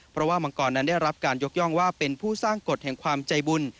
เพราะว่ามังกรนั้นได้รับการยกย่องว่าเป็นผู้สร้างกฎแห่งความใจบุญ